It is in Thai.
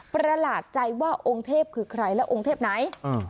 ประหลาดใจว่าองค์เทพคือใครและองค์เทพไหน